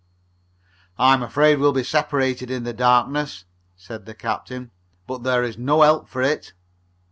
"I'm afraid we'll be separated in the darkness," said the captain, "but there is no help for it."